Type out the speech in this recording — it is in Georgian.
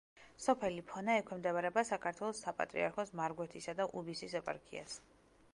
სოფელი ფონა ექვემდებარება საქართველოს საპატრიარქოს მარგვეთისა და უბისის ეპარქიას.